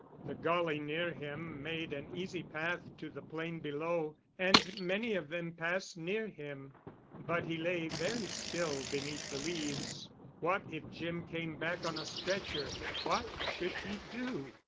The gully near him made an easy path to the plain below and many of them passed near him ... but he lay very still beneath the leaves. What if Jim came back on a stretcher...! What should he do?